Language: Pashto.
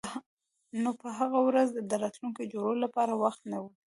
نو په هغه ورځ د راتلونکي جوړولو لپاره وخت نه و